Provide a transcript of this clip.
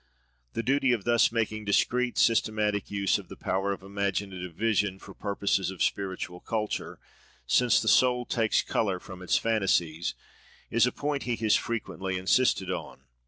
The duty of thus making discreet, systematic use of the power of imaginative vision for purposes of spiritual culture, "since the soul takes colour from its fantasies," is a point he has frequently insisted on.